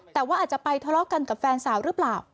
แต่ว่าอาจจะไปทะเลาะกันกับแฟนสาวหรือเปล่า